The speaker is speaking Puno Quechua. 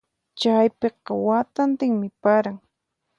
Chaypiqa watantinmi paran.